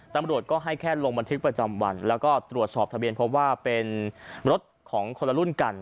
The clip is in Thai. ตำรวจก็ให้แค่ลงบันทึกประจำวันแล้วก็ตรวจสอบทะเบียนพบว่าเป็นรถของคนละรุ่นกัน